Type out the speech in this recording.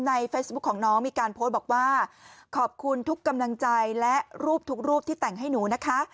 เฟซบุ๊คของน้องมีการโพสต์บอกว่าขอบคุณทุกกำลังใจและรูปทุกรูปที่แต่งให้หนูนะคะ